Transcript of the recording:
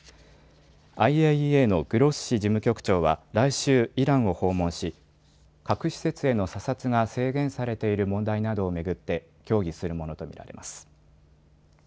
ＩＡＥＡのグロッシ事務局長は来週、イランを訪問し核施設への査察が制限されている問題などを巡って協議するものと見られます。